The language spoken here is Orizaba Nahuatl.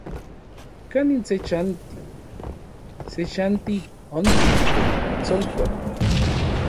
¿Kanin se chanti? Se chanti onpik Tsonkol.